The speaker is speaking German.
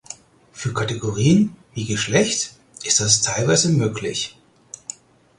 Für Kategorien wie Geschlecht ist das teilweise möglich.